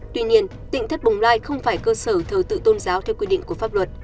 tuy nhiên tỉnh thất bồng lai không phải cơ sở thờ tự tôn giáo theo quy định của pháp luật